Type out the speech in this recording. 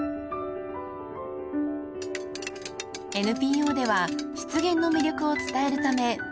［ＮＰＯでは湿原の魅力を伝えるため］